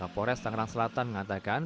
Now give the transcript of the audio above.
kapolres tangerang selatan mengatakan